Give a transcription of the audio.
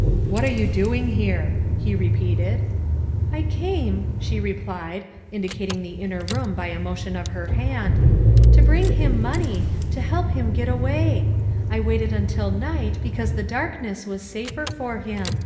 ''" What are you doing here?" he repeated. 298 THE WIFE OF " I came," she replied, indicating the inner room by a motion of her hand, '' to bring him money, to help him get away. I waited until night because the darkness was safer for him."